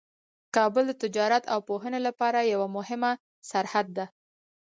کابل د تجارت او پوهنې لپاره یوه مهمه سرحد ده.